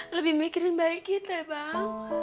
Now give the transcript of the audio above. lebih mikirin bayi kita bang